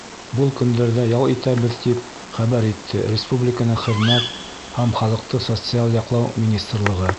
Был көндәрҙә ял итәбеҙ, тип хәбәр итте республиканың Хеҙмәт һәм халыҡты социаль яҡлау министрлығы.